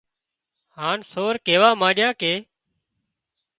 هانَ سور ڪيوا مانڏيا ڪي